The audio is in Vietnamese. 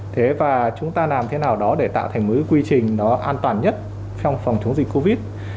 thế và chúng ta làm thế nào đó để tạo thành một quy trình nó an toàn nhất trong phòng chống dịch covid